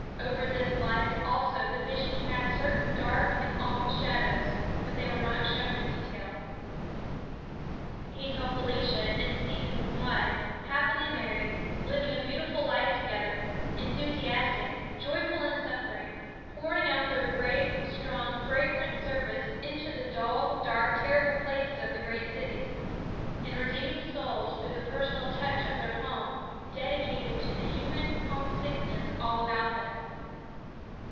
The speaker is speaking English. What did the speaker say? Over this life also the vision cast certain dark and awful shadows but they were not shown in detail. He saw Felicia and Stephen Clyde happily married, living a beautiful life together, enthusiastic, joyful in suffering, pouring out their great, strong, fragrant service into the dull, dark, terrible places of the great city, and redeeming souls through the personal touch of their home, dedicated to the Human Homesickness all about them.